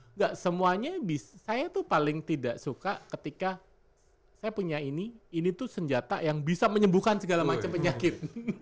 enggak semuanya saya tuh paling tidak suka ketika saya punya ini ini tuh senjata yang bisa menyembuhkan segala macam penyakit